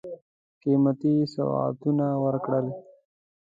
قېمتي سوغاتونه ورکړل.